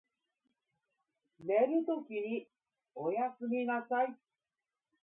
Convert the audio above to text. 寝るときにおやすみなさい。